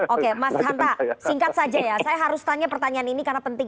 oke mas hanta singkat saja ya saya harus tanya pertanyaan ini karena penting